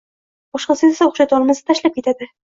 boshqasi esa o‘xshatolmasa tashlab ketadi.